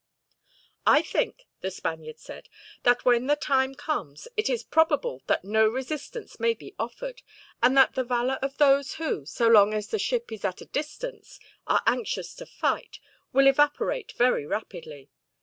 "I think," the Spaniard said, "that when the time comes, it is probable that no resistance may be offered; and that the valor of those who, so long as the ship is at a distance, are anxious to fight, will evaporate very rapidly.